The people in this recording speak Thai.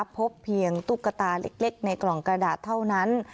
พบเพียงตุ๊กตาเล็กในกล่องกระดาษเท่านั้น